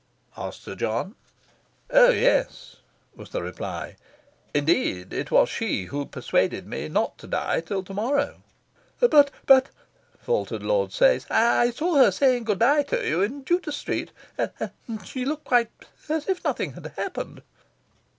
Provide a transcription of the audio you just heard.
asked Sir John. "Oh yes," was the reply. "Indeed, it was she who persuaded me not to die till to morrow." "But but," faltered Lord Sayes, "I saw her saying good bye to you in Judas Street. And and she looked quite as if nothing had happened."